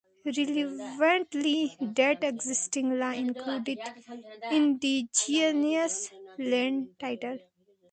Relevantly, that existing law included indigenous land title.